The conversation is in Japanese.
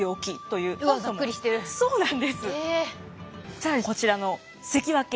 更にこちらの関脇。